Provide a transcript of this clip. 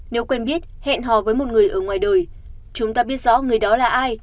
nếu quen biết hẹn hò với một người ở ngoài đời chúng ta biết rõ người đó là ai